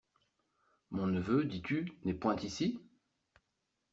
Mon neveu, dis-tu, n’est point ici ?